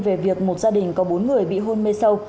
về việc một gia đình có bốn người bị hôn mê sâu